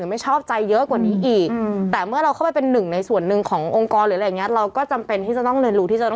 ไม่ชอบใจเยอะกว่านี้